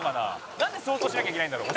「なんで想像しなきゃいけないんだろう？」